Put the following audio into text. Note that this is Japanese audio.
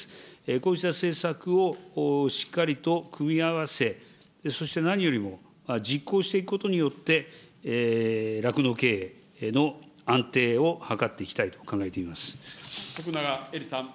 こうした施策をしっかりと組み合わせ、そして何よりも実行していくことによって、酪農経営の安定を図っ徳永エリさん。